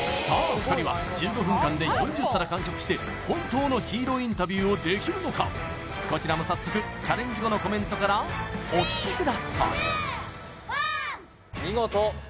２人は１５分間で４０皿完食して本当のヒーローインタビューをできるのかこちらも早速チャレンジ後のコメントからお聞きください